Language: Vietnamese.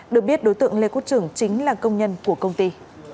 được biết đối tượng lê quốc trưởng chính là công nhân của công ty